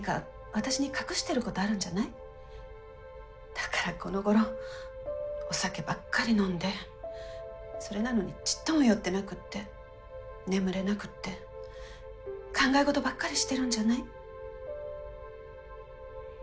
だからこのごろお酒ばっかり飲んでそれなのにちっとも酔ってなくって眠れなくって考え事ばっかりしてるんじゃない？